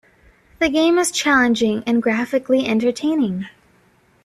The game is challenging and graphically entertaining.